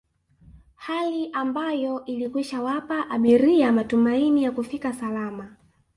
Hali ambayo ilikwishawapa abiria matumaini ya kufika salama